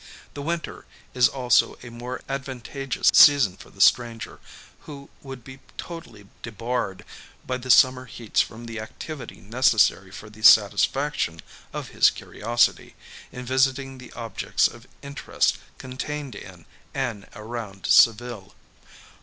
The winter is also a more advantageous season for the stranger, who would be totally debarred by the summer heats from the activity necessary for the satisfaction of his curiosity, in visiting the objects of interest contained in and around Seville.